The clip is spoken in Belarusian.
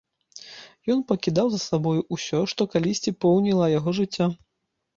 Ён пакідаў за сабою ўсё, што калісьці поўніла яго жыццё.